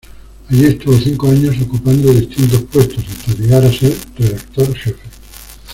Allí estuvo cinco años ocupando distintos puestos hasta llegar a ser redactor jefe.